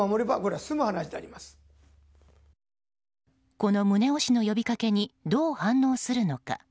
この宗男氏の呼びかけにどう反応するのか。